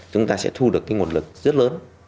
chúng ta sẽ thu được cái nguồn lực rất lớn